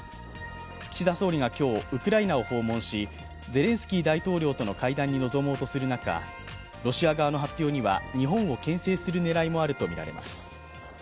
岸田総理が今日、ウクライナを訪問し、ゼレンスキー大統領との会談に臨もうとする中、ロシア側の発表には日本をけん制する狙いもあるとみられます。